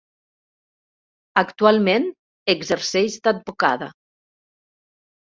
Actualment exerceix d'advocada.